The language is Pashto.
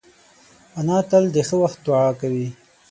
انا تل د ښه وخت دعا کوي